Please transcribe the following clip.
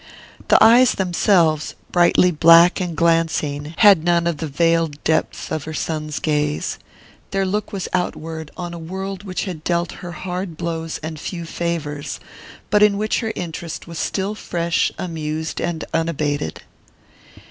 The eyes themselves, brightly black and glancing, had none of the veiled depths of her son's gaze. Their look was outward, on a world which had dealt her hard blows and few favours, but in which her interest was still fresh, amused and unabated.